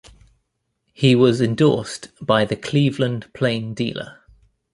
He was endorsed by the "Cleveland Plain Dealer".